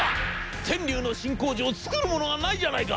天竜の新工場作るものがないじゃないか！